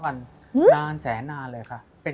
มันทำให้ชีวิตผู้มันไปไม่รอด